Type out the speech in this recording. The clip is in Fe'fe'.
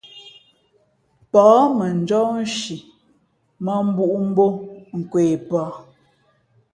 Pα̌h mαnjɔ́h nshi mᾱmbūꞌ mbō nkwe pαh.